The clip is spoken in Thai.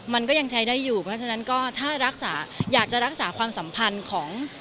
มันก็ยังใช้ได้อยู่เพราะฉะนั้นก็ถ้ารักษาอยากจะรักษาความสัมพันธ์ของ